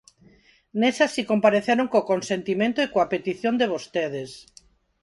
Nesa si compareceron co consentimento e coa petición de vostedes.